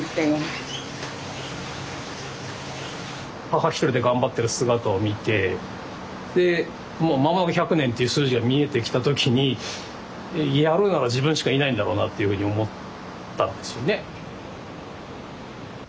母一人で頑張ってる姿を見てでもう間もなく１００年という数字が見えてきた時にやるなら自分しかいないんだろうなっていうふうに思ったんですよね。